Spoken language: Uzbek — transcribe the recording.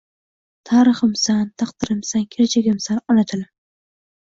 Tariximsan, taqdirimsan, kelajagimsan, ona tilim!